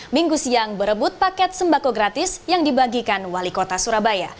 minggu siang berebut paket sembako gratis yang dibagikan wali kota surabaya